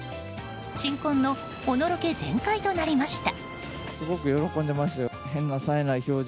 新婚のお惚気全開となりました。